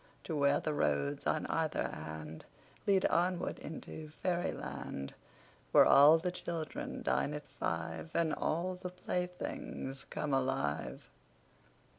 To where the roads on either handLead onward into fairy land, Where all the children dine at five, And all the playthings come alive.